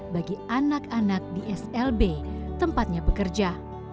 bagi anak anak di slb tempatnya bekerja